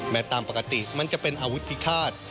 ตามปกติมันจะเป็นอาวุธพิฆาต